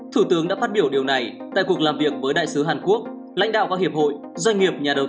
thủ tướng đã phát biểu điều này tại cuộc làm việc với đại sứ hàn quốc lãnh đạo các hiệp hội doanh nghiệp nhà đầu tư